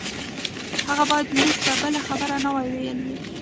هغه بايد موږ ته بله خبره هم ويلي وای.